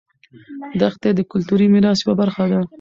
دښتې د کلتوري میراث یوه برخه ده.